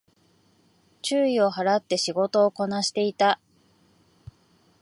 注意を払って仕事をこなしていた